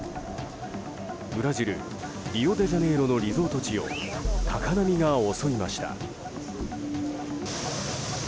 ブラジル・リオデジャネイロのリゾート地を高波が襲いました。